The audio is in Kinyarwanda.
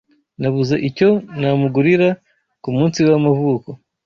Nabuze icyo namugurira kumunsi we w'amavuko